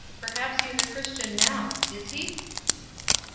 Perhaps he is a Christian now; is he?"